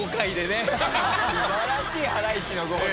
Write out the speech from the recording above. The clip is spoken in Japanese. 素晴らしいハライチのゴール。